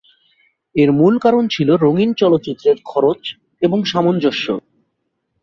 এর মূল কারণ ছিল রঙিন চলচ্চিত্রের খরচ এবং সামঞ্জস্য।